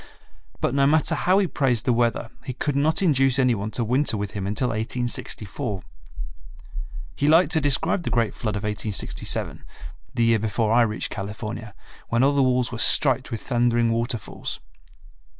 But no matter how he praised the weather he could not induce any one to winter with him until 1864. He liked to describe the great flood of 1867, the year before I reached California, when all the walls were striped with thundering waterfalls.